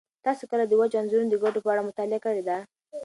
تاسو کله د وچو انځرونو د ګټو په اړه مطالعه کړې ده؟